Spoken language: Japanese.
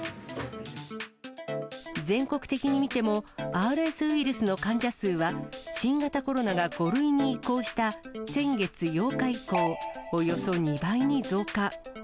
全国的に見ても、ＲＳウイルスの患者数は、新型コロナが５類に移行した先月８日以降、およそ２倍に増加。